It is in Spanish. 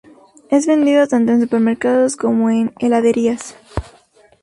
Es vendido tanto en supermercados como en heladerías.